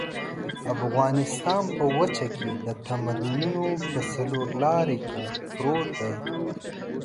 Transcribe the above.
افغانستان په وچه کې د تمدنونو په څلور لاري کې پروت دی.